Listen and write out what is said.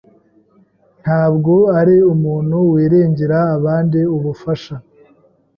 Ntabwo ari umuntu wiringira abandi ubufasha.